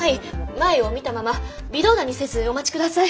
前を見たまま微動だにせずお待ち下さい。